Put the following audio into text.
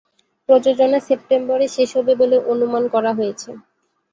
প্রযোজনা সেপ্টেম্বর-এ শেষ হবে বলে অনুমান করা হয়েছে।